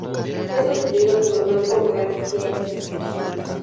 Fue sustituido por Rodolfo Graziani.